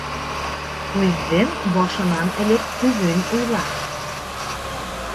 Һүҙҙең башынан элек төбөн уйла.